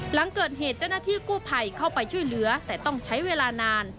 หลังเกิดเหตุเจ้าหน้าที่กู้ภัยเข้าไปช่วยเหลือแต่ต้องใช้เวลานาน